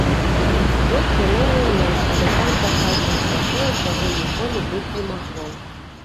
Ёсць яна і ў нас, але там паказваюць такое, чаго ніколі быць не магло!